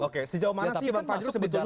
oke sejauh mana sih bang fadli sebetulnya